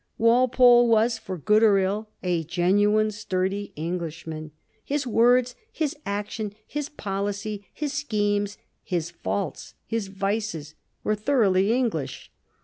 Walpole was, for good or ill, a genuine sturdy Englishman. His words, his actions, his policy, his schemes, his faults, his vices, were thorough English.